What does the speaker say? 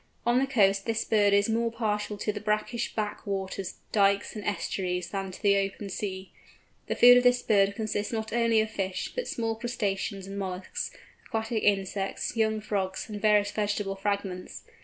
On the coast this bird is more partial to the brackish back waters, dykes, and estuaries, than to the open sea. The food of this bird consists not only of fish, but small crustaceans and molluscs, aquatic insects, young frogs, and various vegetable fragments.